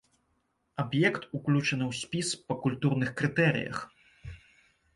Аб'ект уключаны ў спіс па культурных крытэрыях.